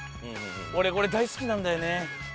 俺これ大好きなんだよね。